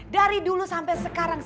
dari dulu sampai sekarang